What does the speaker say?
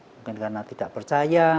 mungkin karena tidak percaya